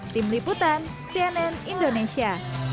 tim liputan cnn indonesia